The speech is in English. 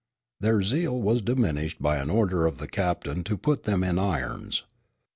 Their zeal was diminished by an order of the captain to put them in irons.